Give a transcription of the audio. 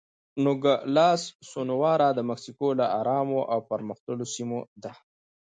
نوګالس سونورا د مکسیکو له ارامو او پرمختللو سیمو ده.